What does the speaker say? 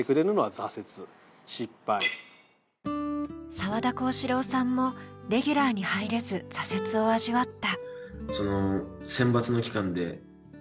澤田昴志郎さんも、レギュラーに入れず挫折を味わった。